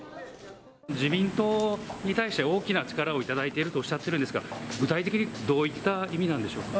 自民党に対して大きな力を頂いているとおっしゃっているんですが、具体的にどういった意味なんでしょうか。